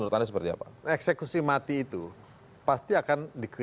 terima kasih pak